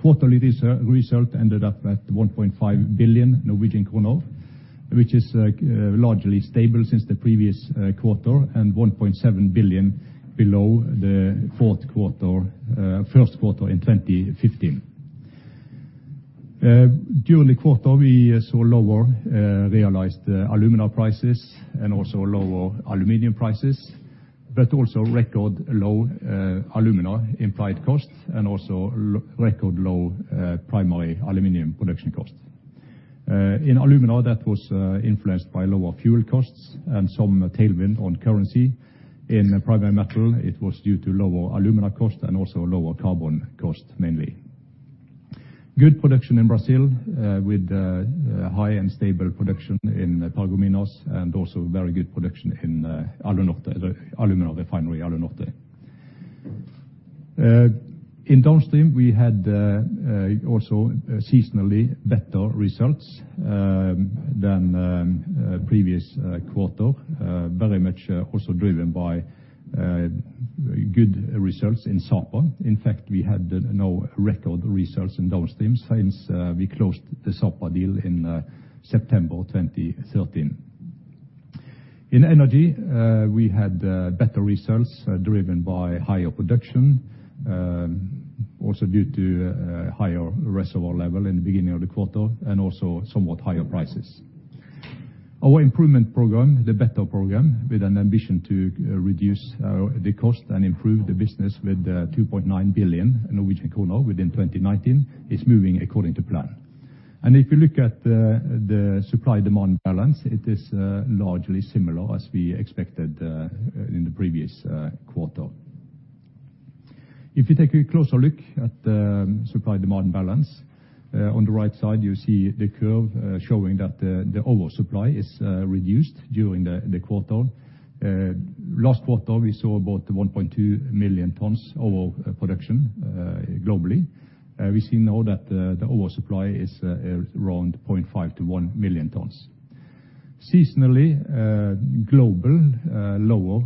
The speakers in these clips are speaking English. quarterly result ended up at 1.5 billion Norwegian kroner, which is largely stable since the previous quarter, and 1.7 billion below the fourth quarter, first quarter in 2015. During the quarter, we saw lower realized alumina prices and also lower aluminum prices, but also record low alumina implied costs and also record low primary aluminum production costs. In alumina that was influenced by lower fuel costs and some tailwind on currency. In primary metal, it was due to lower alumina cost and also lower carbon cost, mainly. Good production in Brazil, with high and stable production in Paragominas and also very good production in Alunorte, the alumina refinery, Alunorte. In downstream, we had also seasonally better results than previous quarter. Very much also driven by good results in Sapa. In fact, we had our record results in downstream since we closed the Sapa deal in September 2013. In energy, we had better results driven by higher production, also due to a higher reservoir level in the beginning of the quarter and also somewhat higher prices. Our improvement program, the Better Program, with an ambition to reduce the cost and improve the business with 2.9 billion Norwegian kroner within 2019, is moving according to plan. If you look at the supply-demand balance, it is largely similar as we expected in the previous quarter. If you take a closer look at the supply-demand balance, on the right side you see the curve, showing that the oversupply is reduced during the quarter. Last quarter, we saw about 1.2 million tons over production, globally. We see now that the oversupply is around 0.5-1 million tons. Seasonally, global lower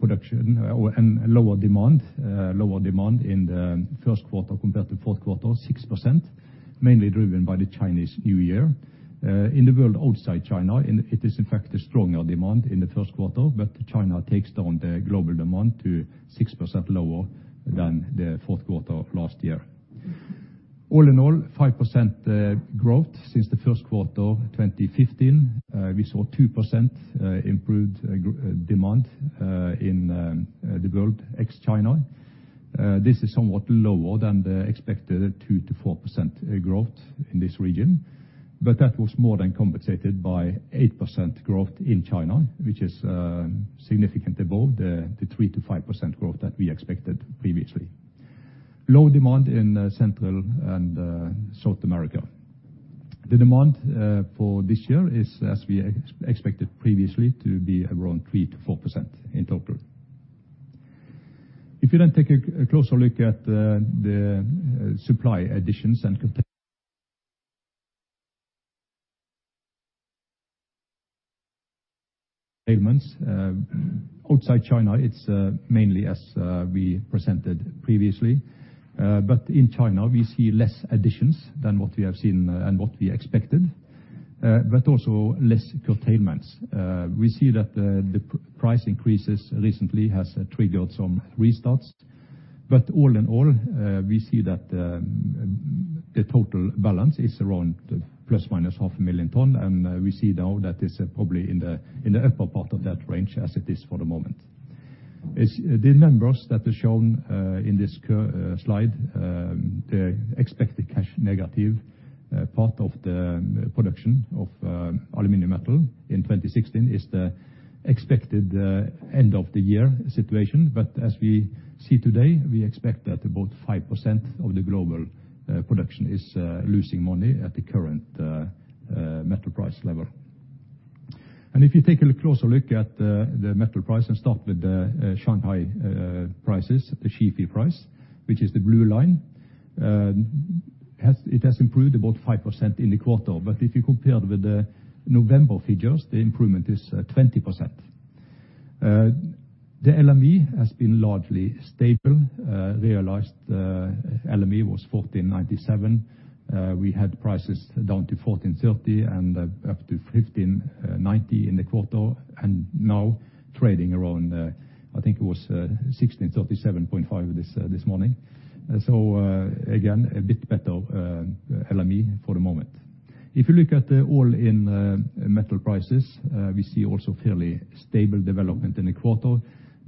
production and lower demand, lower demand in the first quarter compared to fourth quarter, 6%, mainly driven by the Chinese New Year. In the world outside China, it is in fact a stronger demand in the first quarter, but China takes down the global demand to 6% lower than the fourth quarter last year. All in all, 5% growth since the first quarter of 2015. We saw 2% improved demand in the world ex-China. This is somewhat lower than the expected 2%-4% growth in this region, but that was more than compensated by 8% growth in China, which is significant above the 3%-5% growth that we expected previously. Low demand in Central and South America. The demand for this year is as we expected previously to be around 3%-4% in total. If you then take a closer look at the supply additions and containments outside China, it's mainly as we presented previously. In China, we see less additions than what we have seen and what we expected, but also less containments. We see that the price increases recently has triggered some restarts. All in all, we see that the total balance is around ± half a million ton, and we see now that is probably in the upper part of that range as it is for the moment. As the numbers that are shown in this slide, the expected cash negative part of the production of Aluminum Metal in 2016 is the expected end of the year situation. As we see today, we expect that about 5% of the global production is losing money at the current metal price level. If you take a closer look at the metal price and start with the Shanghai prices, the SHFE price, which is the blue line, has improved about 5% in the quarter. But if you compare with the November figures, the improvement is 20%. The LME has been largely stable. Realized LME was $1497. We had prices down to $1430 and up to $1590 in the quarter, and now trading around, I think it was, $1637.5 this morning. Again, a bit better LME for the moment. If you look at the all-in metal prices, we see also fairly stable development in the quarter.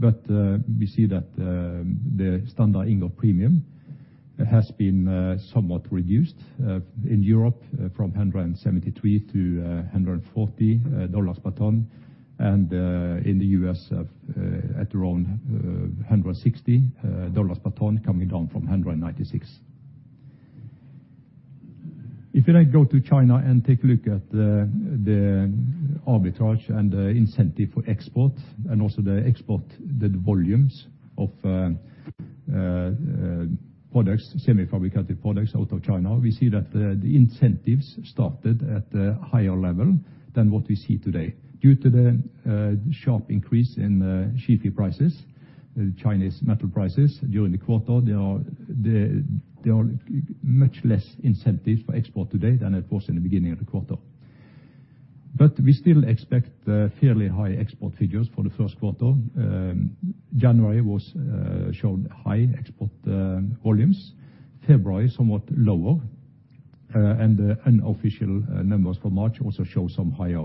We see that the standard ingot premium has been somewhat reduced in Europe from $173 to $140 per ton, and in the US at around $160 per ton, coming down from $196. If you now go to China and take a look at the arbitrage and the incentive for export and also the export volumes of semi-fabricated products out of China, we see that the incentives started at a higher level than what we see today. Due to the sharp increase in SHFE prices, Chinese metal prices during the quarter, there are much less incentive for export today than it was in the beginning of the quarter. We still expect fairly high export figures for the first quarter. January showed high export volumes. February somewhat lower, and the unofficial numbers for March also show some higher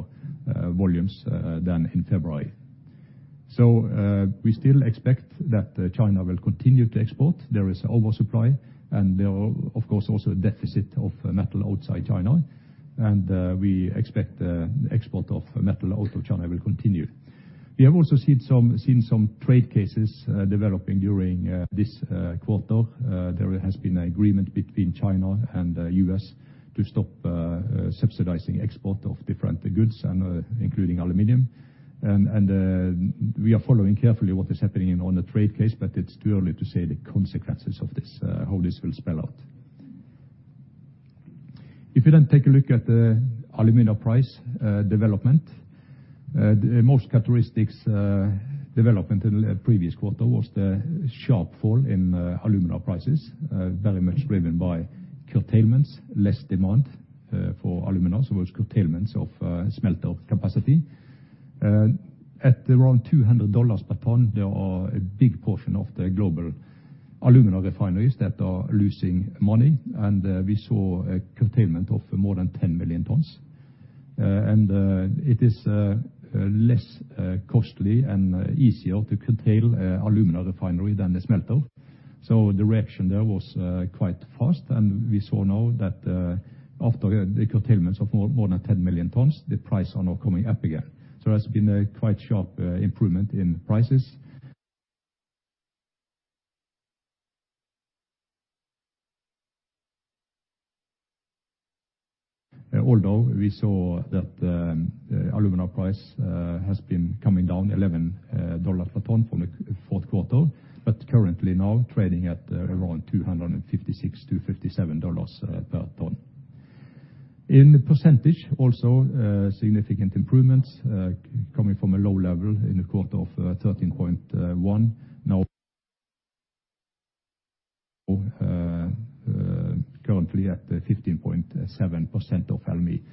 volumes than in February. We still expect that China will continue to export. There is oversupply, and there are, of course, also a deficit of metal outside China, and we expect the export of metal out of China will continue. We have also seen some trade cases developing during this quarter. There has been agreement between China and U.S. to stop subsidizing export of different goods and including aluminum. We are following carefully what is happening on the trade case, but it's too early to say the consequences of this, how this will spell out. If you then take a look at the alumina price development, the most characteristic development in the previous quarter was the sharp fall in alumina prices, very much driven by curtailments, less demand for alumina, as was curtailments of smelter capacity. At around $200 per ton, there are a big portion of the global alumina refineries that are losing money, and we saw a curtailment of more than 10 million tons. And it is less costly and easier to curtail an alumina refinery than a smelter. The reaction there was quite fast, and we saw now that after the curtailments of more than 10 million tons, the prices are now coming up again. There has been a quite sharp improvement in prices. Although we saw that, the alumina price has been coming down $11 per ton from the fourth quarter, but currently now trading at around $256-$257 per ton. In percentage also, significant improvements coming from a low level in the quarter of 13.1%. Now, currently at 15.7% of LME.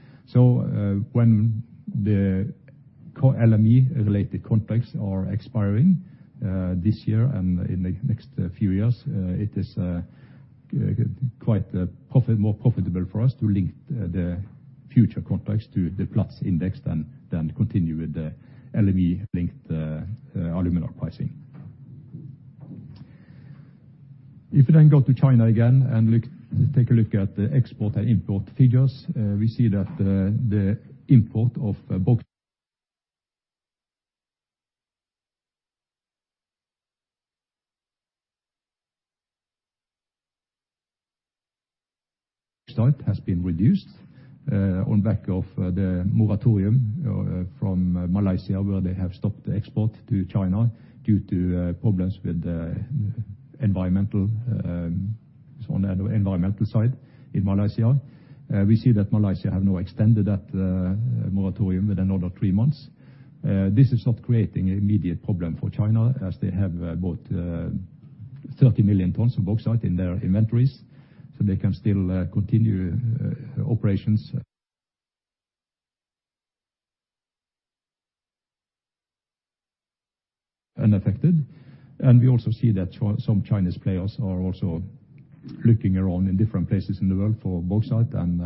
When the LME-related contracts are expiring, this year and in the next few years, it is quite more profitable for us to link the future contracts to the Platts index than continue with the LME-linked alumina pricing. If you then go to China again and take a look at the export and import figures, we see that the import of bauxite has been reduced on the back of the moratorium from Malaysia, where they have stopped the export to China due to problems on the environmental side in Malaysia. We see that Malaysia have now extended that moratorium with another three months. This is not creating immediate problem for China as they have about 30 million tons of bauxite in their inventories, so they can still continue operations unaffected. We also see that some Chinese players are also looking around in different places in the world for bauxite, and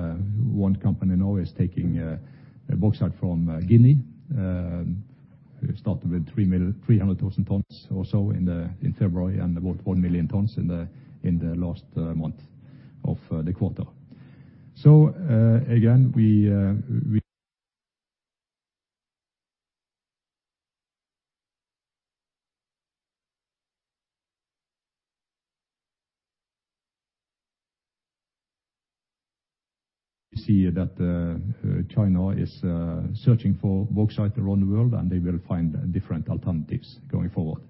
one company now is taking bauxite from Guinea. It started with 300,000 tons or so in February and about 1,000,000 tons in the last month of the quarter. Again, we see that China is searching for bauxite around the world, and they will find different alternatives going forward.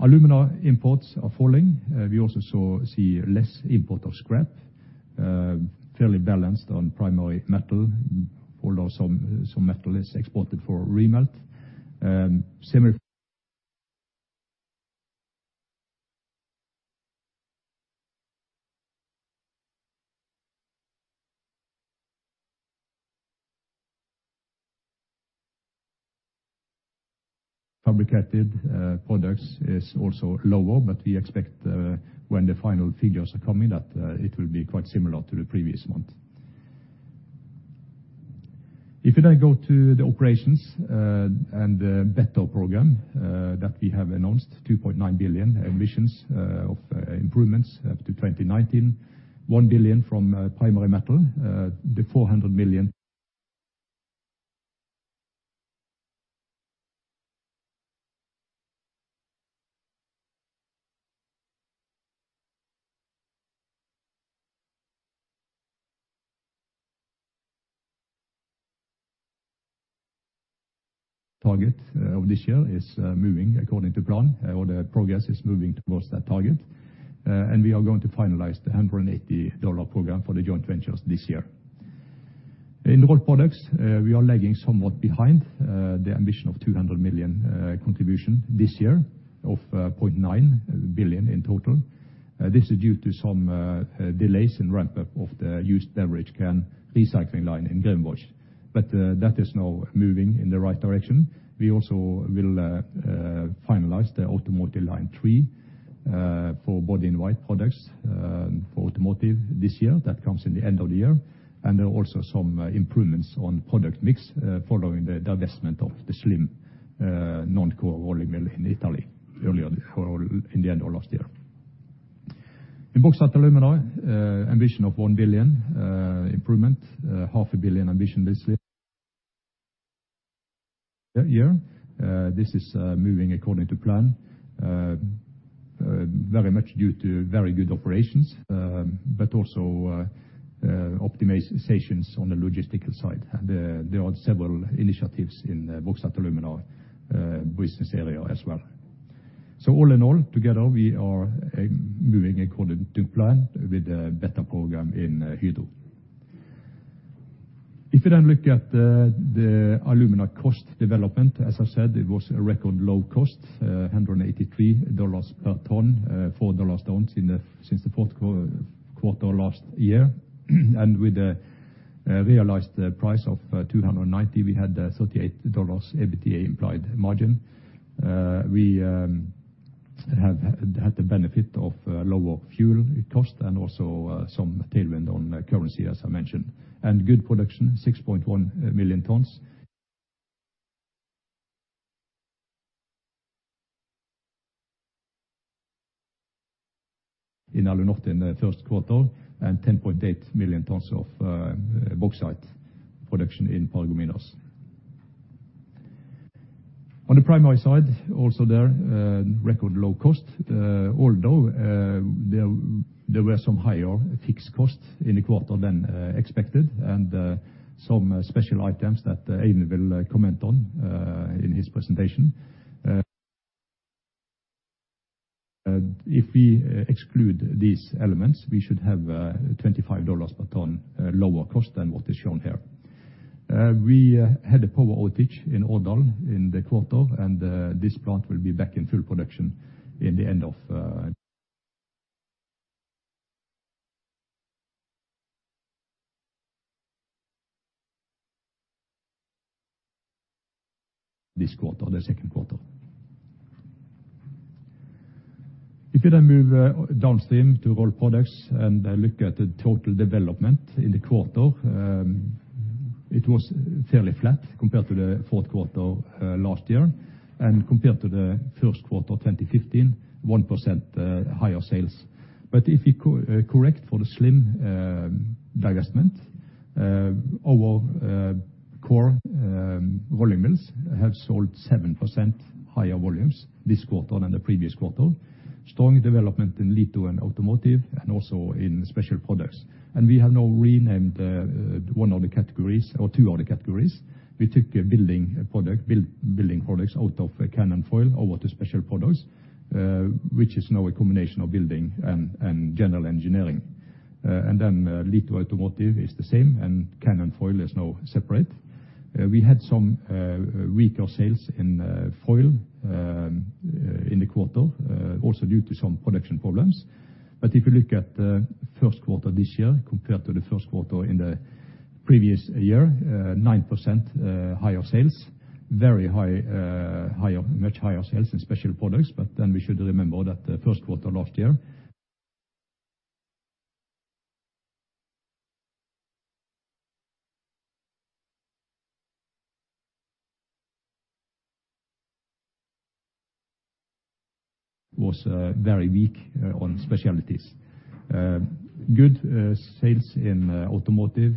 Alumina imports are falling. We also see less import of scrap, fairly balanced on primary metal, although some metal is exported for remelt. Similar, fabricated products is also lower, but we expect, when the final figures are coming that, it will be quite similar to the previous month. If you now go to the operations, and the Better Program that we have announced, 2.9 billion ambitions of improvements up to 2019. 1 billion from primary metal, the 400 million target of this year is moving according to plan, or the progress is moving towards that target. We are going to finalize the $180 program for the joint ventures this year. In Rolled Products, we are lagging somewhat behind the ambition of 200 million contribution this year of 0.9 billion in total. This is due to some delays in ramp up of the used beverage can recycling line in Grevenbroich. That is now moving in the right direction. We also will finalize the Automotive Line 3 for body in white products for automotive this year. That comes in the end of the year. There are also some improvements on product mix following the divestment of the Slim non-core rolling mill in Italy in the end of last year. In Bauxite & Alumina, ambition of 1 billion improvement, half a billion ambition this year. This is moving according to plan very much due to very good operations, but also optimizations on the logistical side. There are several initiatives in the Bauxite & Alumina business area as well. All in all, together, we are moving according to plan with a Better Program in Hydro. If you then look at the alumina cost development, as I said, it was a record low cost $183 per ton, $4 down since the fourth quarter last year. With the realized price of $290, we had $38 EBITDA implied margin. We have had the benefit of lower fuel cost and also some tailwind on currency, as I mentioned, and good production, 6.1 million tons in Alunorte in the first quarter, and 10.8 million tons of bauxite production in Paragominas. On the primary side, also there record low cost, although there were some higher fixed costs in the quarter than expected, and some special items that Eivind will comment on in his presentation. If we exclude these elements, we should have $25 per ton lower cost than what is shown here. We had a power outage in Årdal in the quarter, and this plant will be back in full production in the end of this quarter, the second quarter. If you then move downstream to Rolled Products and look at the total development in the quarter, it was fairly flat compared to the fourth quarter last year, and compared to the first quarter 2015, 1% higher sales. If you correct for the Slim divestment, our core rolling mills have sold 7% higher volumes this quarter than the previous quarter. Strong development in litho and automotive and also in special products. We have now renamed one of the categories or two of the categories. We took building products out of can and foil over to special products, which is now a combination of building and general engineering. Litho automotive is the same, and can and foil is now separate. We had some weaker sales in foil in the quarter, also due to some production problems. If you look at the first quarter this year compared to the first quarter in the previous year, 9% higher sales. Very high, much higher sales in special products, but then we should remember that the first quarter last year was very weak on specialties. Good sales in automotive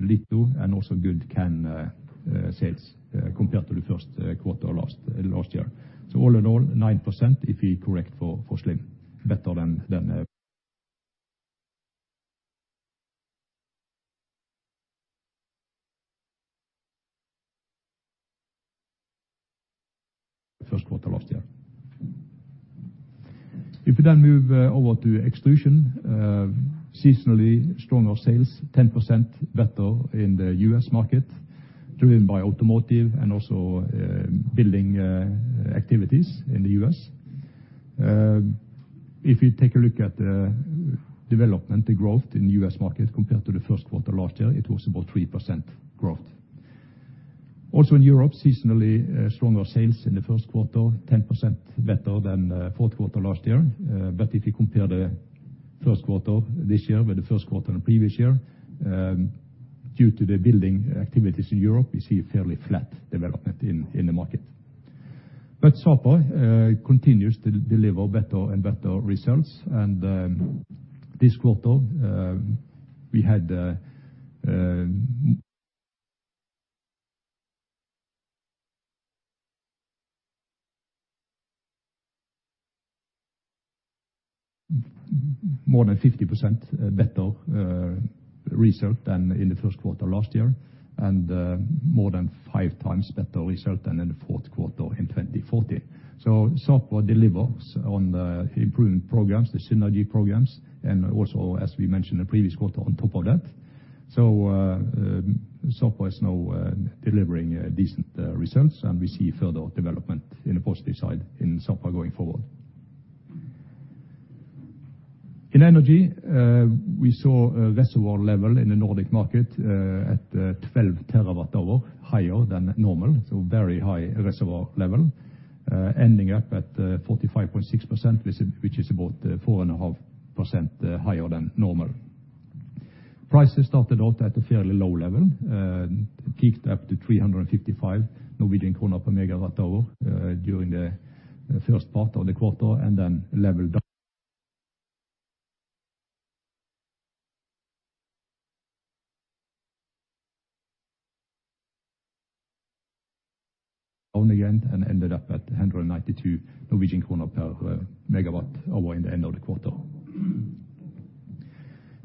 litho, and also good can sales compared to the first quarter last year. All in all, 9% if we correct for Slim, better than the first quarter last year. If we then move over to Extrusions, seasonally stronger sales, 10% better in the U.S. market, driven by automotive and also building activities in the U.S. If you take a look at development, the growth in the U.S. market compared to the first quarter last year, it was about 3% growth. Also in Europe, seasonally stronger sales in the first quarter, 10% better than fourth quarter last year. If you compare the first quarter this year with the first quarter in the previous year, due to the building activities in Europe, you see a fairly flat development in the market. Sapa continues to deliver better and better results. This quarter, we had more than 50% better result than in the first quarter last year. More than 5 times better result than in the fourth quarter in 2015. Sapa delivers on the improving programs, the synergy programs, and also, as we mentioned in the previous quarter on top of that. Sapa is now delivering decent results, and we see further development on the positive side in Sapa going forward. In energy, we saw a reservoir level in the Nordic market at 12 terawatt hours higher than normal, so very high reservoir level, ending up at 45.6% which is about 4.5% higher than normal. Prices started out at a fairly low level, peaked up to 355 Norwegian kroner per MWh during the first part of the quarter and then leveled off again and ended up at 192 Norwegian kroner per MWh in the end of the quarter.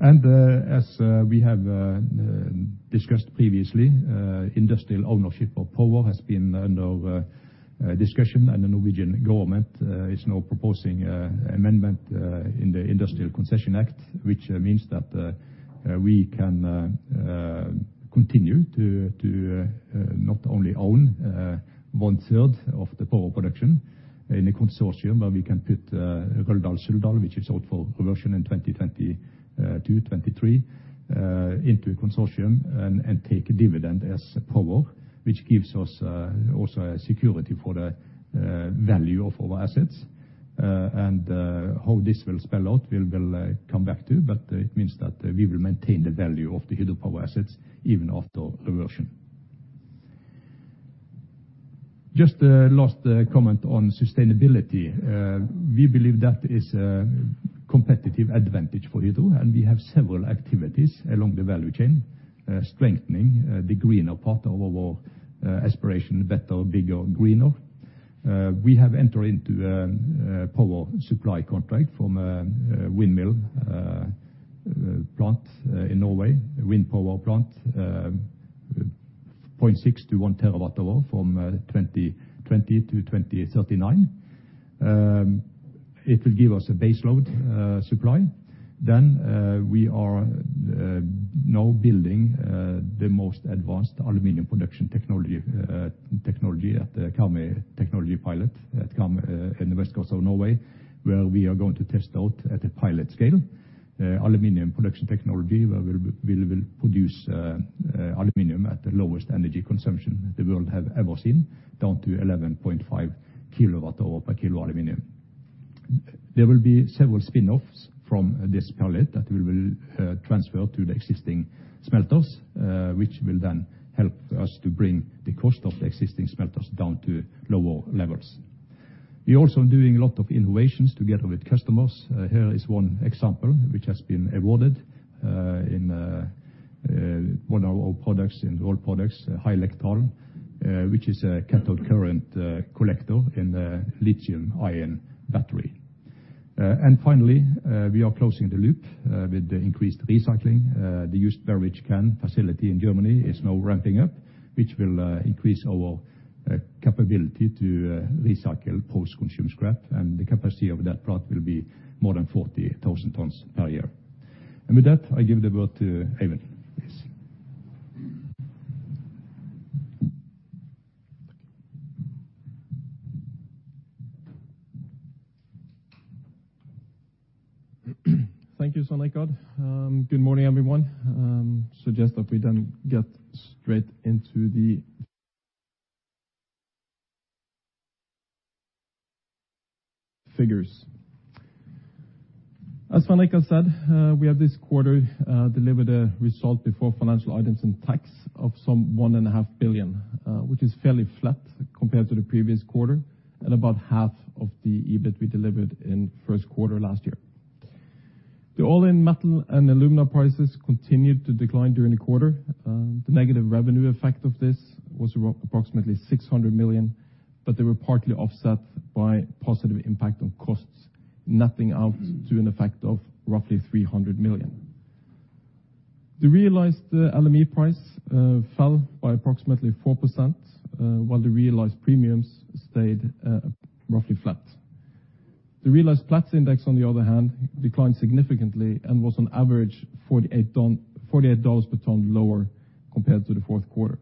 As we have discussed previously, industrial ownership of power has been under discussion and the Norwegian government is now proposing amendment in the Industrial Concession Act, which means that we can continue to not only own one-third of the power production in a consortium, but we can put Røldal-Suldal, which is out for reversion in 2022-2023, into a consortium and take a dividend as power, which gives us also a security for the value of our assets. How this will spell out, we will come back to, but it means that we will maintain the value of the hydropower assets even after reversion. Just a last comment on sustainability. We believe that is a competitive advantage for Hydro, and we have several activities along the value chain, strengthening the greener part of our aspiration, better, bigger, greener. We have entered into a power supply contract from a wind power plant in Norway, 0.6-1 TWh from 2020 to 2039. It will give us a base load supply. We are now building the most advanced aluminum production technology at the Karmøy Technology Pilot at Karmøy in the west coast of Norway, where we are going to test out at a pilot scale aluminum production technology, where we will produce aluminum at the lowest energy consumption the world has ever seen, down to 11.5 kWh per kilo aluminum. There will be several spinoffs from this pilot that we will transfer to the existing smelters, which will then help us to bring the cost of the existing smelters down to lower levels. We're also doing a lot of innovations together with customers. Here is one example which has been awarded in one of our products, in Rolled Products, HyLectral, which is a cathode current collector in the lithium-ion battery. Finally, we are closing the loop with the increased recycling. The used beverage can facility in Germany is now ramping up, which will increase our capability to recycle post-consumer scrap. The capacity of that plant will be more than 40,000 tons per year. With that, I give the word to Eivind Kallevik. Please. Thank you, Svein Richard. Good morning, everyone. Suggest that we then get straight into the figures. As Svein Richard said, we have this quarter delivered a result before financial items and tax of some 1.5 billion, which is fairly flat compared to the previous quarter and about half of the EBIT we delivered in first quarter last year. The all-in metal and alumina prices continued to decline during the quarter. The negative revenue effect of this was approximately 600 million, but they were partly offset by positive impact on costs, netting out to an effect of roughly 300 million. The realized LME price fell by approximately 4%, while the realized premiums stayed roughly flat. The realized Platts index on the other hand declined significantly and was on average $48 per ton lower compared to the fourth quarter.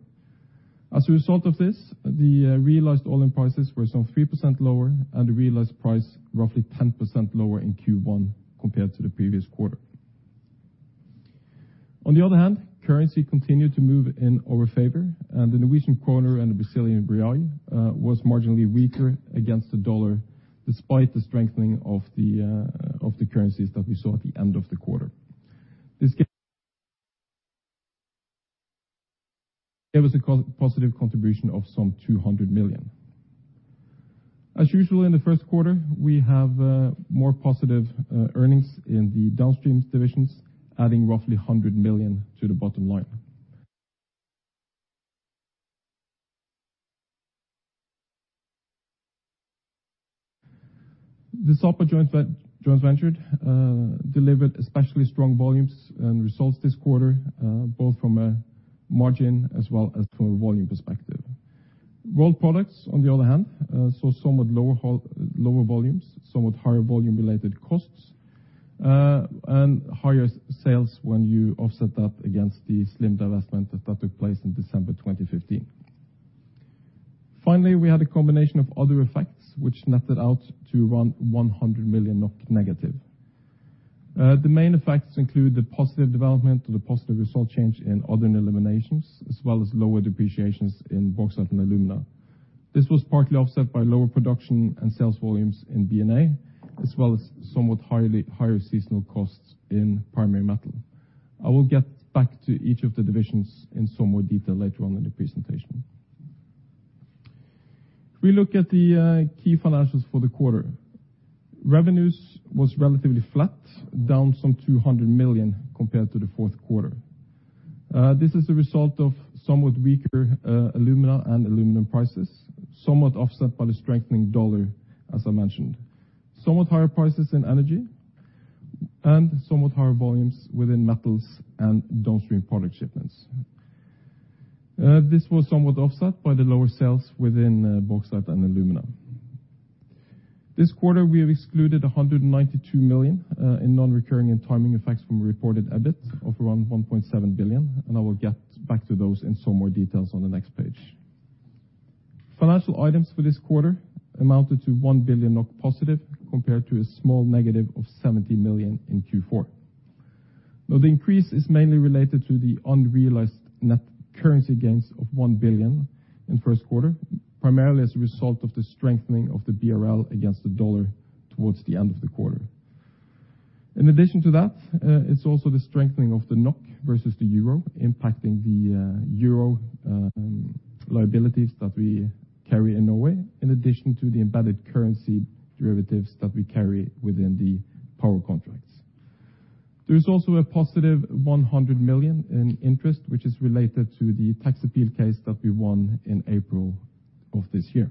As a result of this, the realized all-in prices were some 3% lower and the realized price roughly 10% lower in Q1 compared to the previous quarter. On the other hand, currency continued to move in our favor, and the Norwegian krone and the Brazilian real was marginally weaker against the dollar despite the strengthening of the currencies that we saw at the end of the quarter. This gave us a positive contribution of some 200 million. As usual in the first quarter, we have more positive earnings in the downstream divisions, adding roughly 100 million to the bottom line. The Sapa joint venture delivered especially strong volumes and results this quarter, both from a margin as well as from a volume perspective. Rolled Products, on the other hand, saw somewhat lower volumes, somewhat higher volume-related costs, and higher sales when you offset that against the Slim divestment that took place in December 2015. Finally, we had a combination of other effects which netted out to around 100 million NOK negative. The main effects include the positive development or the positive result change in other and eliminations, as well as lower depreciations in Bauxite & Alumina. This was partly offset by lower production and sales volumes in B&A, as well as somewhat higher... Higher seasonal costs in primary metal. I will get back to each of the divisions in some more detail later on in the presentation. If we look at the key financials for the quarter, revenues was relatively flat, down some 200 million compared to the fourth quarter. This is a result of somewhat weaker alumina and aluminum prices, somewhat offset by the strengthening dollar, as I mentioned, somewhat higher prices in energy and somewhat higher volumes within metals and downstream product shipments. This was somewhat offset by the lower sales within bauxite and alumina. This quarter, we have excluded 192 million in non-recurring and timing effects from a reported EBIT of around 1.7 billion, and I will get back to those in some more details on the next page. Financial items for this quarter amounted to 1 billion NOK positive compared to a small negative of 70 million in Q4. Now the increase is mainly related to the unrealized net currency gains of 1 billion in first quarter, primarily as a result of the strengthening of the BRL against the dollar towards the end of the quarter. In addition to that, it's also the strengthening of the NOK versus the euro impacting the euro liabilities that we carry in Norway, in addition to the embedded currency derivatives that we carry within the power contracts. There is also a positive 100 million in interest, which is related to the tax appeal case that we won in April of this year.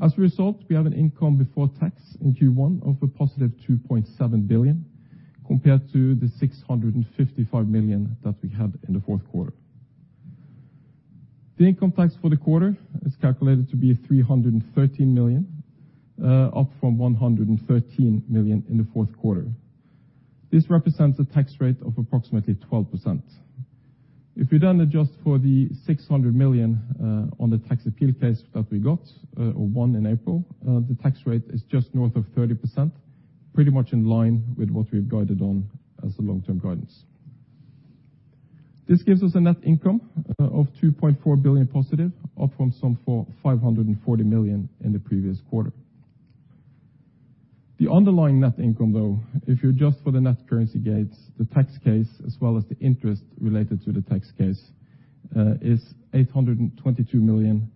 As a result, we have an income before tax in Q1 of a positive 2.7 billion, compared to the 655 million that we had in the fourth quarter. The income tax for the quarter is calculated to be 313 million, up from 113 million in the fourth quarter. This represents a tax rate of approximately 12%. If you then adjust for the 600 million on the tax appeal case that we got, or won in April, the tax rate is just north of 30%, pretty much in line with what we've guided on as the long-term guidance. This gives us a net income of positive 2.4 billion, up from 540 million in the previous quarter. The underlying net income, though, if you adjust for the net currency gains, the tax case, as well as the interest related to the tax case, is 822 million,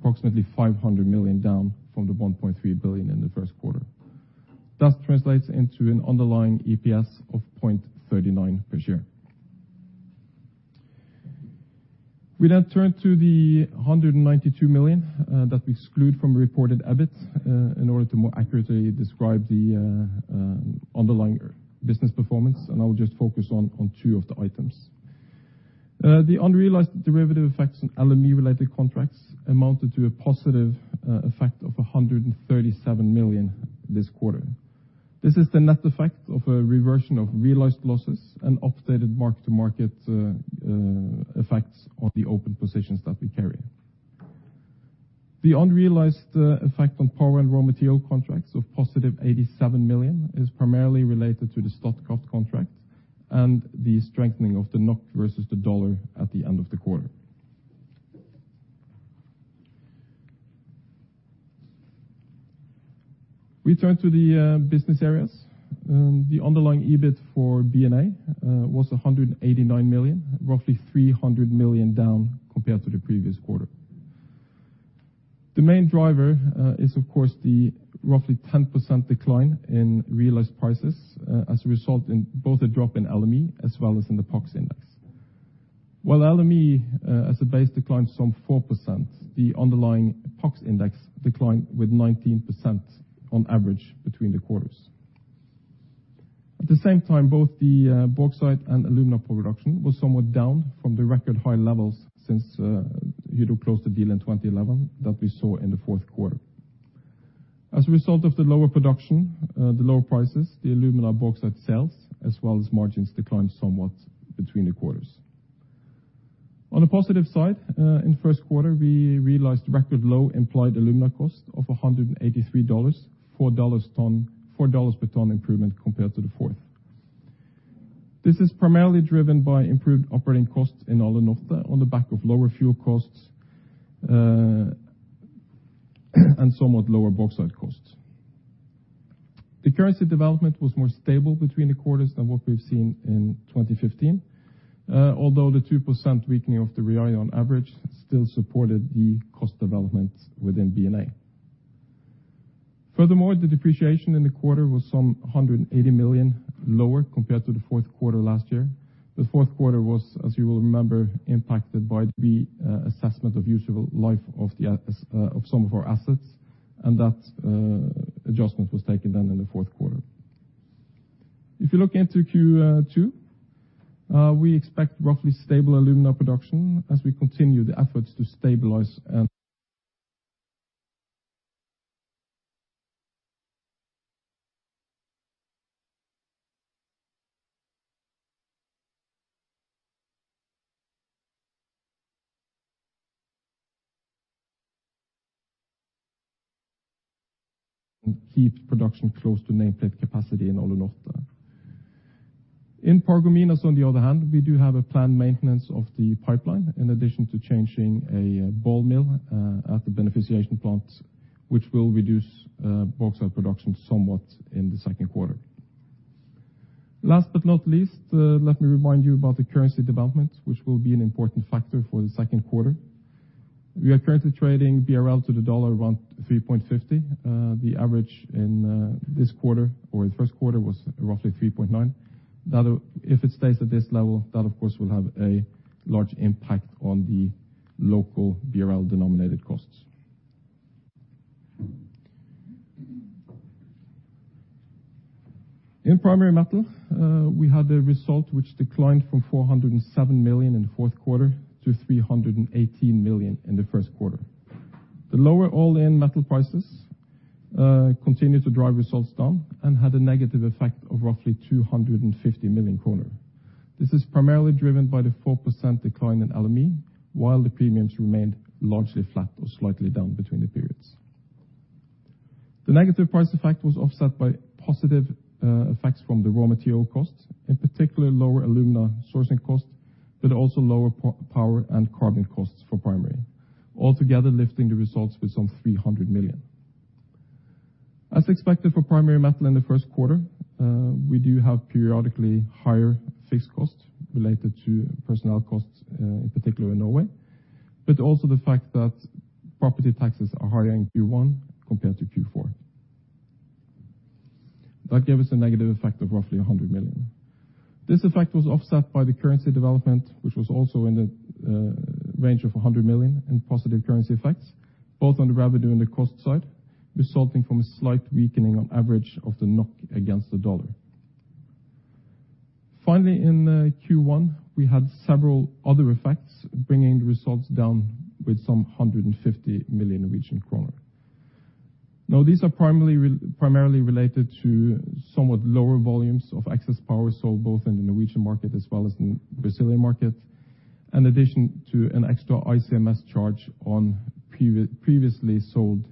approximately 500 million down from 1.3 billion in the first quarter. That translates into an underlying EPS of 0.39 per share. We now turn to 192 million that we exclude from reported EBIT in order to more accurately describe the underlying business performance, and I will just focus on two of the items. The unrealized derivative effects on LME-related contracts amounted to a positive effect of 137 million this quarter. This is the net effect of a reversion of realized losses and updated mark-to-market effects on the open positions that we carry. The unrealized effect on power and raw material contracts of positive 87 million is primarily related to the Statkraft contract and the strengthening of the NOK versus the dollar at the end of the quarter. We turn to the business areas. The underlying EBIT for B&A was 189 million, roughly 300 million down compared to the previous quarter. The main driver is of course the roughly 10% decline in realized prices as a result of both the drop in LME as well as in the PAX index. While LME as a base declined some 4%, the underlying PAX index declined with 19% on average between the quarters. At the same time, both the bauxite and alumina production was somewhat down from the record high levels since Hydro closed the deal in 2011 that we saw in the fourth quarter. As a result of the lower production, the lower prices, the alumina bauxite sales, as well as margins, declined somewhat between the quarters. On the positive side, in the first quarter, we realized record low implied alumina cost of $183 per ton, $4 per ton improvement compared to the fourth. This is primarily driven by improved operating costs in Alunorte on the back of lower fuel costs, and somewhat lower bauxite costs. The currency development was more stable between the quarters than what we've seen in 2015, although the 2% weakening of the real on average still supported the cost development within B&A. Furthermore, the depreciation in the quarter was 180 million lower compared to the fourth quarter last year. The fourth quarter was, as you will remember, impacted by the assessment of usable life of some of our assets, and that adjustment was taken then in the fourth quarter. If you look into Q2, we expect roughly stable alumina production as we continue the efforts to stabilize and keep production close to nameplate capacity in Alunorte. In Paragominas on the other hand, we do have a planned maintenance of the pipeline in addition to changing a ball mill at the beneficiation plant, which will reduce bauxite production somewhat in the second quarter. Last but not least, let me remind you about the currency development, which will be an important factor for the second quarter. We are currently trading BRL to the dollar around 3.50. The average in this quarter or the first quarter was roughly 3.9. If it stays at this level, that of course will have a large impact on the local BRL-denominated costs. In Primary Metal, we had a result which declined from 407 million in the fourth quarter to 318 million in the first quarter. The lower all-in metal prices continued to drive results down and had a negative effect of roughly 250 million kroner. This is primarily driven by the 4% decline in LME, while the premiums remained largely flat or slightly down between the periods. The negative price effect was offset by positive effects from the raw material costs, in particular lower alumina sourcing costs, but also lower power and carbon costs for Primary, altogether lifting the results with some 300 million. As expected for Primary Metal in the first quarter, we do have periodically higher fixed costs related to personnel costs, in particular in Norway, but also the fact that property taxes are higher in Q1 compared to Q4. That gave us a negative effect of roughly 100 million. This effect was offset by the currency development, which was also in the range of 100 million in positive currency effects, both on the revenue and the cost side, resulting from a slight weakening on average of the NOK against the dollar. Finally, in Q1, we had several other effects bringing the results down with some 150 million Norwegian kroner. Now these are primarily related to somewhat lower volumes of excess power sold both in the Norwegian market as well as in Brazilian market, in addition to an extra ICMS charge on previously sold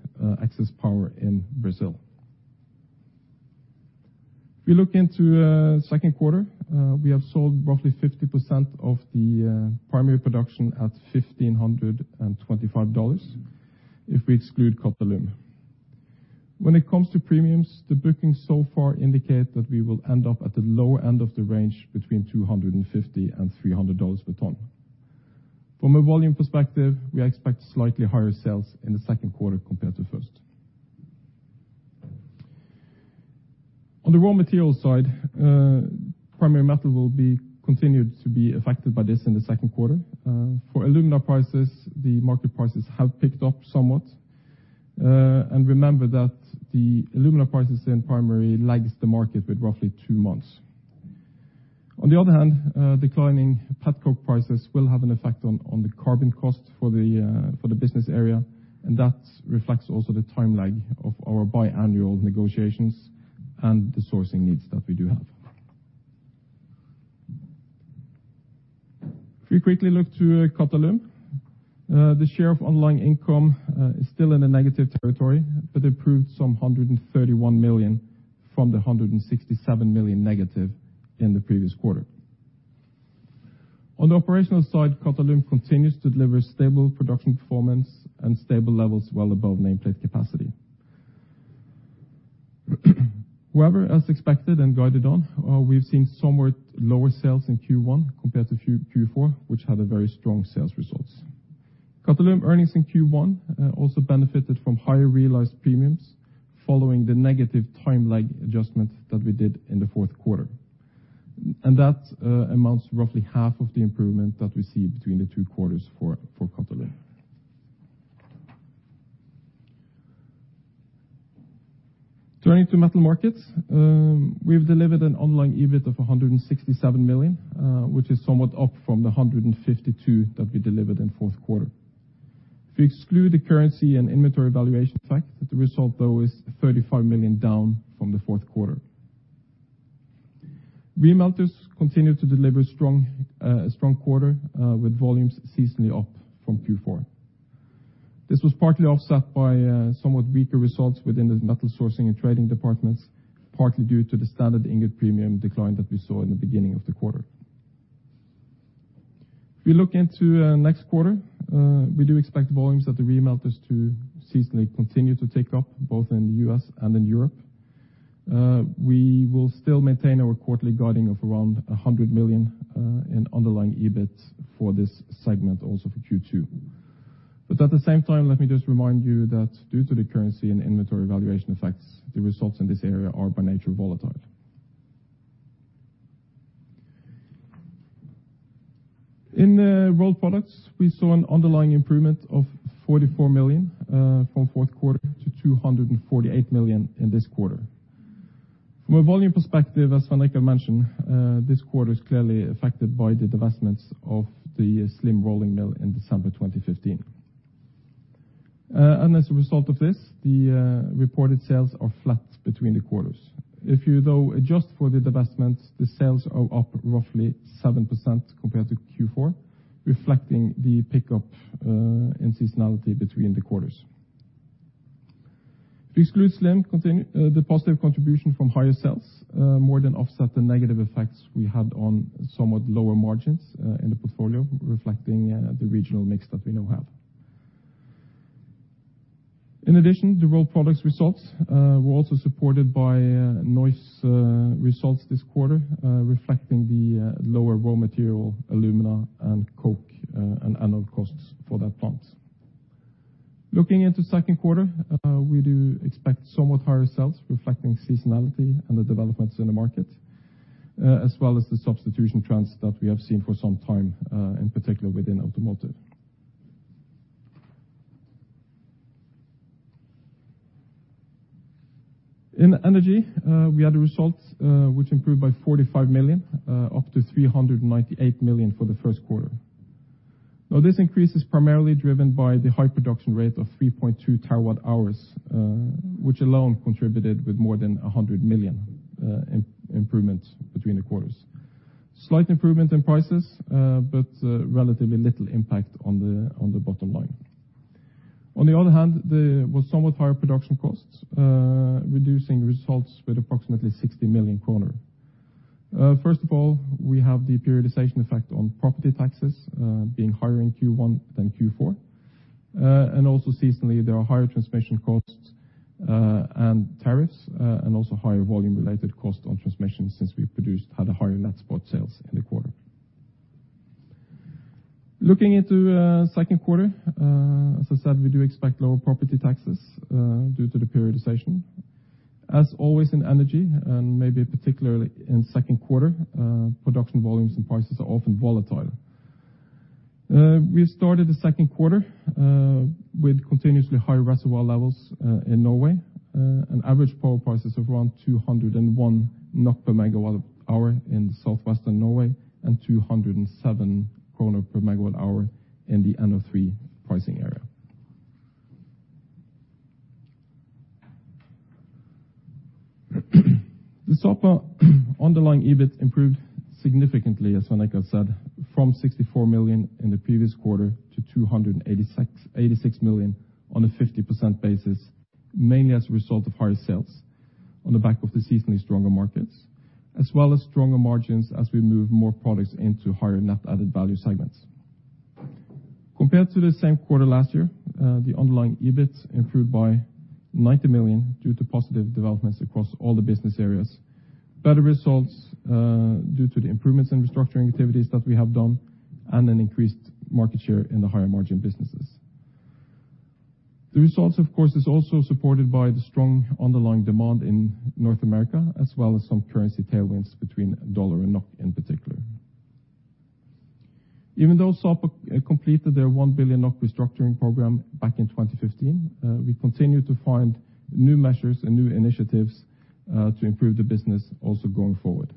excess power in Brazil. If you look into second quarter, we have sold roughly 50% of the primary production at $1,525 if we exclude Qatalum. When it comes to premiums, the bookings so far indicate that we will end up at the lower end of the range between $250 and $300 per ton. From a volume perspective, we expect slightly higher sales in the second quarter compared to first. On the raw materials side, Primary Metal will be continued to be affected by this in the second quarter. For alumina prices, the market prices have picked up somewhat. Remember that the alumina prices in Primary lags the market with roughly two months. On the other hand, declining petcoke prices will have an effect on the carbon cost for the business area, and that reflects also the time lag of our biannual negotiations and the sourcing needs that we do have. If you quickly look to Qatalum, the share of underlying income is still in a negative territory, but improved 131 million from the 167 million negative in the previous quarter. On the operational side, Qatalum continues to deliver stable production performance and stable levels well above nameplate capacity. However, as expected and guided on, we've seen somewhat lower sales in Q1 compared to Q4, which had a very strong sales results. Qatalum earnings in Q1 also benefited from higher realized premiums following the negative time lag adjustments that we did in the fourth quarter. That amounts roughly half of the improvement that we see between the two quarters for Qatalum. Turning to metal markets, we've delivered an underlying EBIT of 167 million, which is somewhat up from the 152 that we delivered in fourth quarter. If you exclude the currency and inventory valuation effect, the result though is 35 million down from the fourth quarter. Remelters continued to deliver strong quarter with volumes seasonally up from Q4. This was partly offset by somewhat weaker results within the metal sourcing and trading departments, partly due to the standard ingot premium decline that we saw in the beginning of the quarter. If we look into next quarter, we do expect volumes at the remelters to seasonally continue to tick up, both in the U.S. and in Europe. We will still maintain our quarterly guidance of around 100 million in underlying EBIT for this segment also for Q2. At the same time, let me just remind you that due to the currency and inventory valuation effects, the results in this area are by nature volatile. In Rolled Products, we saw an underlying improvement of 44 million from fourth quarter to 248 million in this quarter. From a volume perspective, as Svein Richard Brandtzæg mentioned, this quarter is clearly affected by the divestments of the Slim rolling mill in December 2015. As a result of this, the reported sales are flat between the quarters. If you adjust for the divestments, the sales are up roughly 7% compared to Q4, reflecting the pickup in seasonality between the quarters. If you exclude Slim, the positive contribution from higher sales more than offset the negative effects we had on somewhat lower margins in the portfolio, reflecting the regional mix that we now have. In addition, the Rolled Products results were also supported by Neuss results this quarter, reflecting the lower raw material, alumina and coke, and anode costs for that plant. Looking into second quarter, we do expect somewhat higher sales reflecting seasonality and the developments in the market, as well as the substitution trends that we have seen for some time, in particular within automotive. In energy, we had a result, which improved by 45 million, up to 398 million for the first quarter. Now this increase is primarily driven by the high production rate of 3.2 terawatt-hours, which alone contributed with more than 100 million, improvements between the quarters. Slight improvement in prices, but relatively little impact on the bottom line. On the other hand, there was somewhat higher production costs, reducing results with approximately 60 million kroner. First of all, we have the periodization effect on property taxes, being higher in Q1 than Q4. Seasonally, there are higher transmission costs, and tariffs, and also higher volume-related costs on transmission since we had a higher net spot sales in the quarter. Looking into second quarter, as I said, we do expect lower property taxes due to the periodization. As always in energy, maybe particularly in second quarter, production volumes and prices are often volatile. We started the second quarter with continuously high reservoir levels in Norway, and average power prices of around 201 NOK per MWh in southwestern Norway and 207 kroner per MWh in the NO3 pricing area. The Sapa underlying EBIT improved significantly, as Brandtzæg said, from 64 million in the previous quarter to 286 million on a 50% basis, mainly as a result of higher sales on the back of the seasonally stronger markets, as well as stronger margins as we move more products into higher value-added segments. Compared to the same quarter last year, the underlying EBIT improved by 90 million due to positive developments across all the business areas. Better results due to the improvements in restructuring activities that we have done and an increased market share in the higher margin businesses. The results of course is also supported by the strong underlying demand in North America, as well as some currency tailwinds between the US dollar and NOK in particular. Even though Sapa completed their 1 billion NOK restructuring program back in 2015, we continue to find new measures and new initiatives to improve the business also going forward.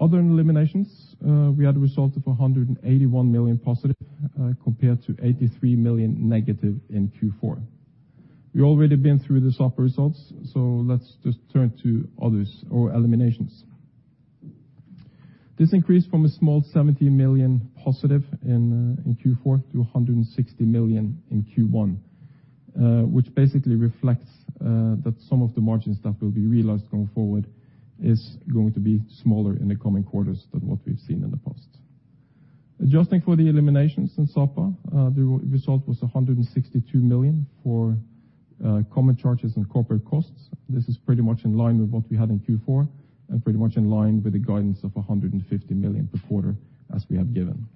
In other eliminations, we had a result of 181 million positive, compared to 83 million negative in Q4. We've already been through the Sapa results, so let's just turn to other eliminations. This increased from a small 70 million positive in Q4 to 160 million in Q1, which basically reflects that some of the margins that will be realized going forward is going to be smaller in the coming quarters than what we've seen in the past. Adjusting for the eliminations in Sapa, the result was 162 million for common charges and corporate costs. This is pretty much in line with what we had in Q4 and pretty much in line with the guidance of 150 million per quarter as we have given.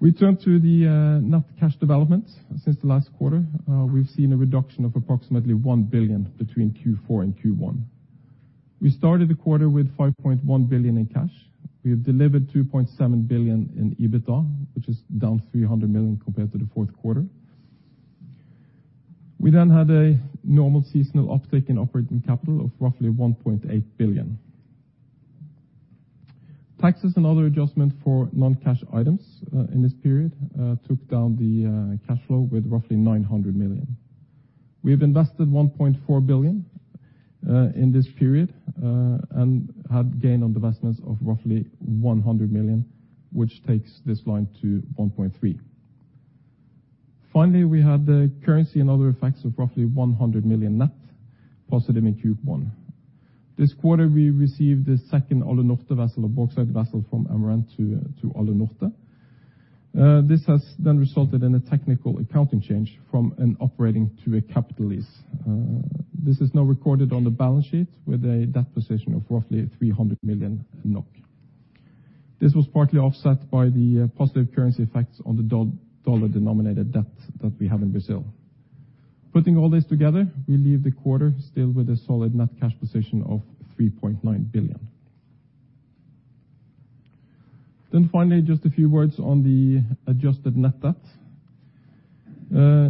We turn to the net cash development. Since the last quarter, we've seen a reduction of approximately 1 billion between Q4 and Q1. We started the quarter with 5.1 billion in cash. We have delivered 2.7 billion in EBITDA, which is down 300 million compared to the fourth quarter. We then had a normal seasonal uptick in operating capital of roughly 1.8 billion. Taxes and other adjustments for non-cash items in this period took down the cash flow with roughly 900 million. We have invested 1.4 billion in this period and had gain on divestments of roughly 100 million, which takes this line to 1.3 billion. Finally, we had the currency and other effects of roughly 100 million net positive in Q1. This quarter, we received the second Alunorte vessel, a bauxite vessel, from Amarant to Alunorte. This has then resulted in a technical accounting change from an operating to a capital lease. This is now recorded on the balance sheet with a debt position of roughly 300 million NOK. This was partly offset by the positive currency effects on the dollar-denominated debt that we have in Brazil. Putting all this together, we leave the quarter still with a solid net cash position of 3.9 billion. Finally, just a few words on the adjusted net debt.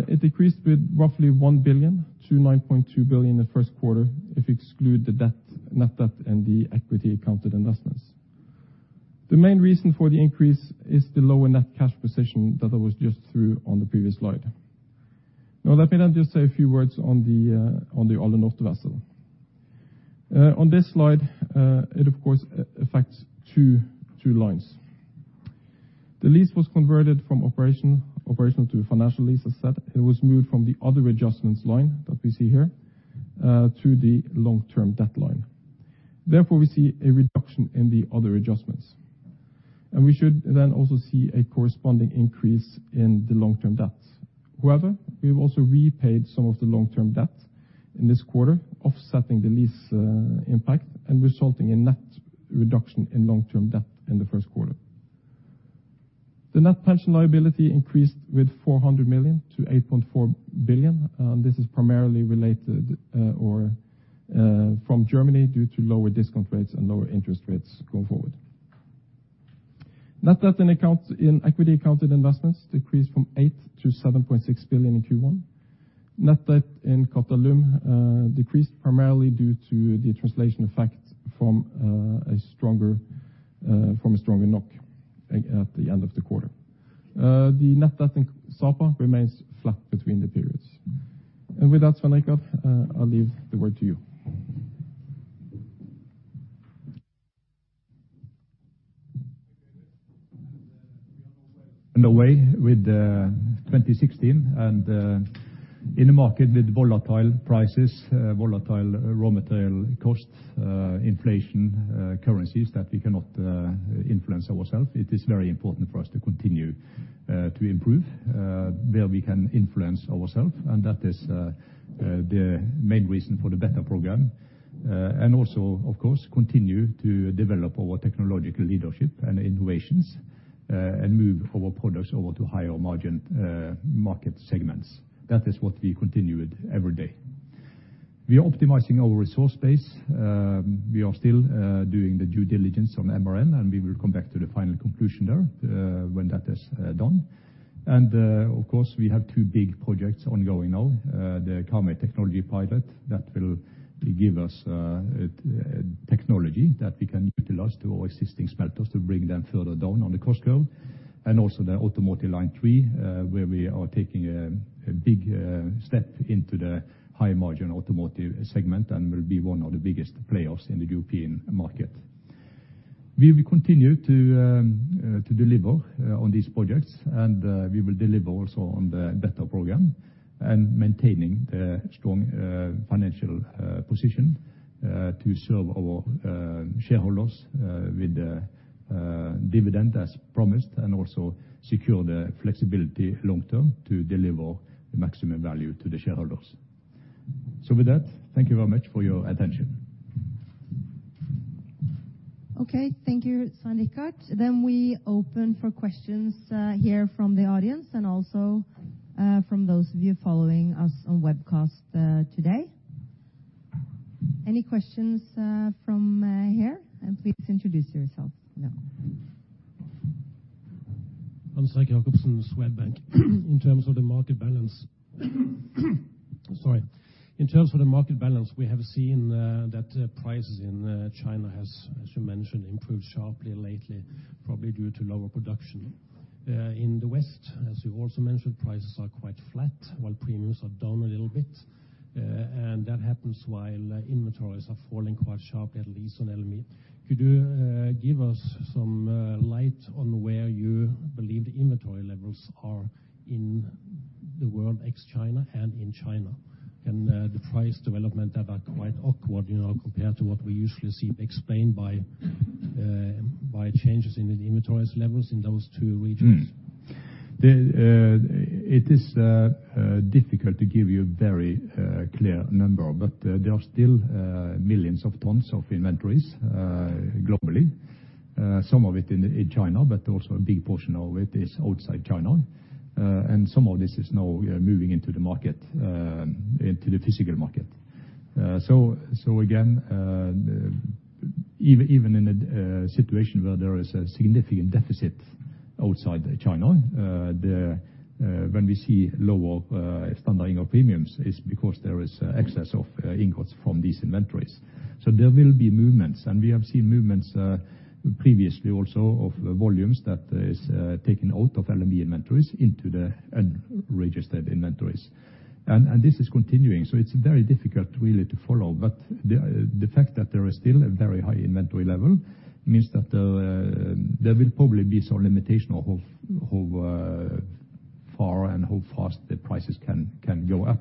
It decreased with roughly 1 billion to 9.2 billion the first quarter if you exclude the debt, net debt, and the equity accounted investments. The main reason for the increase is the lower net cash position that I just went through on the previous slide. Now let me just say a few words on the Nordic Jari vessel. On this slide, it of course affects two lines. The lease was converted from operation to a financial lease asset. It was moved from the other adjustments line that we see here to the long-term debt line. Therefore, we see a reduction in the other adjustments. We should then also see a corresponding increase in the long-term debt. However, we've also repaid some of the long-term debt in this quarter, offsetting the lease impact and resulting in net reduction in long-term debt in the first quarter. The net pension liability increased with 400 million to 8.4 billion. This is primarily related from Germany due to lower discount rates and lower interest rates going forward. Net debt in equity accounted investments decreased from 8 billion to 7.6 billion in Q1. Net debt in Qatalum decreased primarily due to the translation effect from a stronger NOK at the end of the quarter. The net debt in Sapa remains flat between the periods. With that, Svein Richard, I'll leave the word to you. Okay, thanks. We are on our way with 2016. In a market with volatile prices, volatile raw material costs, inflation, currencies that we cannot influence ourselves, it is very important for us to continue to improve where we can influence ourselves. That is the main reason for the Better Program. Also, of course, continue to develop our technological leadership and innovations, and move our products over to higher margin market segments. That is what we continue with every day. We are optimizing our resource base. We are still doing the due diligence on MRN, and we will come back to the final conclusion there when that is done. Of course, we have two big projects ongoing now. The Karmøy Technology Pilot, that will give us technology that we can utilize to our existing smelters to bring them further down on the cost curve. Also the Automotive Line Three, where we are taking a big step into the high-margin automotive segment and will be one of the biggest players in the European market. We will continue to deliver on these projects. We will deliver also on the Better Program and maintaining the strong financial position to serve our shareholders with dividend as promised, and also secure the flexibility long term to deliver maximum value to the shareholders. With that, thank you very much for your attention. Okay. Thank you, Svein Richard. Then we open for questions here from the audience and also from those of you following us on webcast today. Any questions from here? Please introduce yourself now. I'm Hans-Erik Jacobsen, Swedbank. In terms of the market balance, we have seen that prices in China has, as you mentioned, improved sharply lately, probably due to lower production. In the West, as you also mentioned, prices are quite flat, while premiums are down a little bit. That happens while inventories are falling quite sharply, at least on LME. Could you give us some light on where you believe the inventory levels are in the world ex-China and in China? The price development that are quite awkward, you know, compared to what we usually see explained by changes in the inventories levels in those two regions. It is difficult to give you a very clear number, but there are still millions of tons of inventories globally. Some of it in China, but also a big portion of it is outside China. Some of this is now moving into the market, into the physical market. Again, even in a situation where there is a significant deficit outside China, the when we see lower standard ingot premiums is because there is excess of ingots from these inventories. There will be movements, and we have seen movements previously also of the volumes that is taken out of LME inventories into the unregistered inventories. This is continuing, it's very difficult really to follow. The fact that there is still a very high inventory level means that there will probably be some limitation of how far and how fast the prices can go up.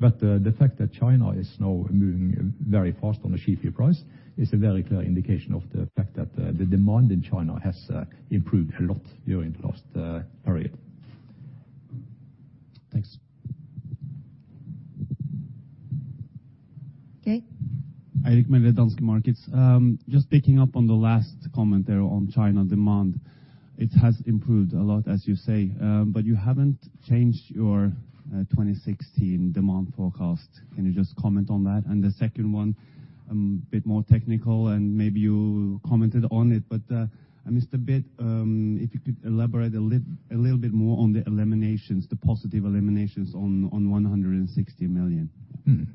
The fact that China is now moving very fast on the SHFE price is a very clear indication of the fact that the demand in China has improved a lot during the last period. Thanks. Okay. Erik Haugland With Danske Markets. Just picking up on the last comment there on China demand. It has improved a lot, as you say, but you haven't changed your 2016 demand forecast. Can you just comment on that? The second one, a bit more technical, and maybe you commented on it, but I missed a bit. If you could elaborate a little bit more on the eliminations, the positive eliminations on 160 million. Mm-hmm.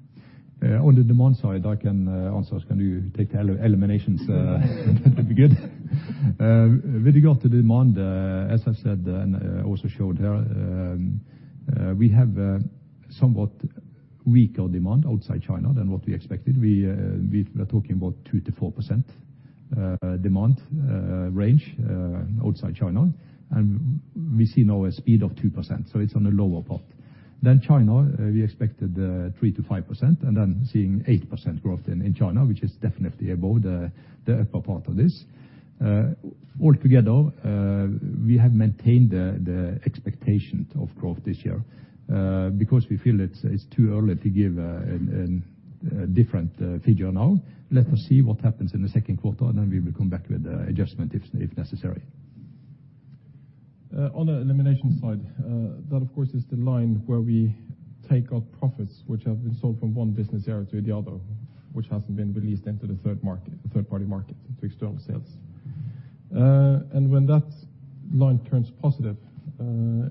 On the demand side, I can answer. Can you take the eliminations? If you could. With regard to demand, as I said, and also showed here, we have somewhat weaker demand outside China than what we expected. We were talking about 2%-4% demand range outside China. We see now a speed of 2%, so it's on the lower part. China, we expected 3%-5%, and then seeing 8% growth in China, which is definitely above the upper part of this. Altogether, we have maintained the expectation of growth this year, because we feel it's too early to give a different figure now. Let us see what happens in the second quarter, and then we will come back with adjustment if necessary. On the elimination side, that of course is the line where we take out profits which have been sold from one business area to the other, which hasn't been released into the third market, the third party market, to external sales. When that line turns positive,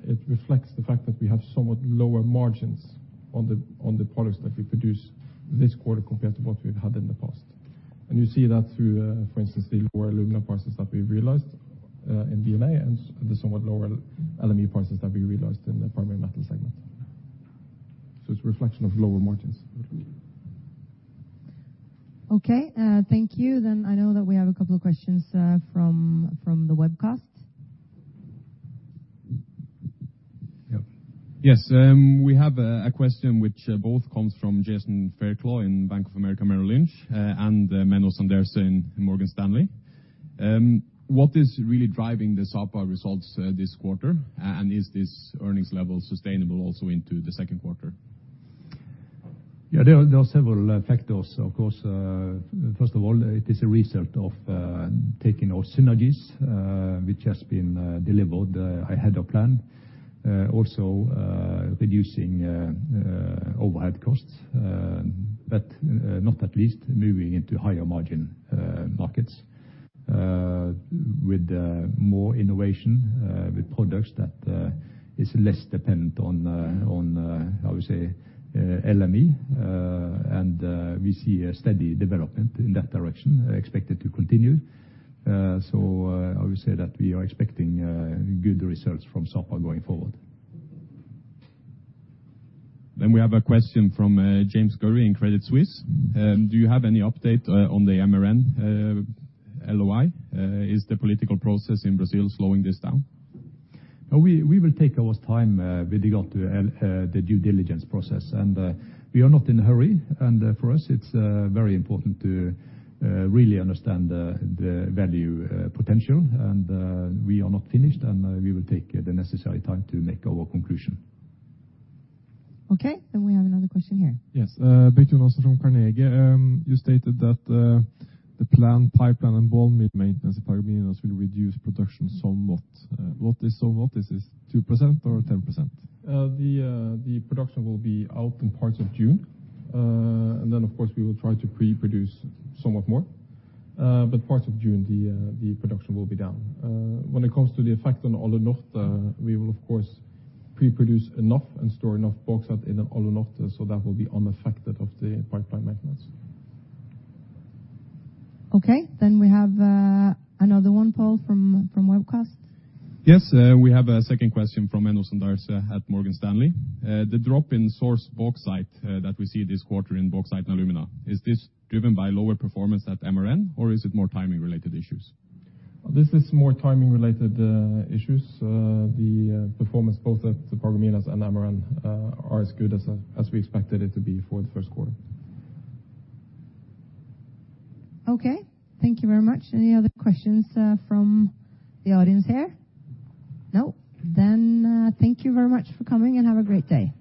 it reflects the fact that we have somewhat lower margins on the products that we produce this quarter compared to what we've had in the past. You see that through, for instance, the lower alumina prices that we've realized in B&A and the somewhat lower LME prices that we realized in the primary metal segment. It's a reflection of lower margins. Okay, thank you. I know that we have a couple of questions from the webcast. Yeah. Yes, we have a question which both comes from Jason Fairclough in Bank of America Merrill Lynch, and Menno Sanderse in Morgan Stanley. What is really driving the Sapa results this quarter? Is this earnings level sustainable also into the second quarter? Yeah, there are several factors, of course. First of all, it is a result of taking our synergies, which has been delivered ahead of plan. Also, reducing overhead costs, but not least, moving into higher margin markets. With more innovation, with products that is less dependent on, I would say, LME, and we see a steady development in that direction, expected to continue. I would say that we are expecting good results from Sapa going forward. We have a question from James Currie in Credit Suisse. Do you have any update on the MRN LOI? Is the political process in Brazil slowing this down? We will take our time with regard to the due diligence process. We are not in a hurry. For us, it's very important to really understand the value potential. We are not finished, and we will take the necessary time to make our conclusion. Okay, we have another question here. Yes. Bettina Olsen from Carnegie. You stated that the planned pipeline and ball mill maintenance at Paragominas will reduce production somewhat. What is somewhat? Is this 2% or 10%? The production will be out in parts of June. Of course, we will try to pre-produce somewhat more. Parts of June, the production will be down. When it comes to the effect on Alunorte, we will of course pre-produce enough and store enough bauxite in Alunorte, so that will be unaffected by the pipeline maintenance. Okay, we have another one, Pål Kildemo, from webcast. Yes, we have a second question from Menno Sanderse at Morgan Stanley. The drop in sourced bauxite that we see this quarter in bauxite and alumina, is this driven by lower performance at MRN or is it more timing related issues? This is more timing-related issues. The performance both at Paragominas and MRN are as good as we expected it to be for the first quarter. Okay, thank you very much. Any other questions, from the audience here? No? Thank you very much for coming and have a great day.